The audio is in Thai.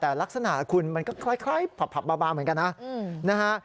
แต่ลักษณะคุณก็คล้ายผับบางเหมือนกันนะ